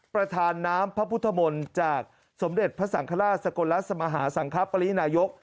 ประธานน้ำพระพุทธมนต์จากสมเด็จพระสังฆราชสกลัสมหาสังคปรินายก